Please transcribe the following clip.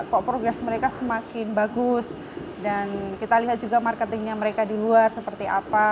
kok progres mereka semakin bagus dan kita lihat juga marketingnya mereka di luar seperti apa